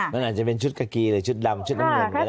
มันอาจจะเป็นชุดกากีหรือชุดดำชุดน้ำเงินก็ได้